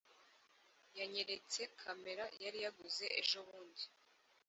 yanyeretse kamera yari yaguze ejobundi